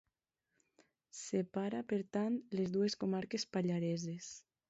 Separa, per tant, les dues comarques pallareses.